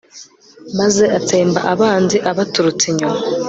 maze atsemba abanzi abaturutse inyuma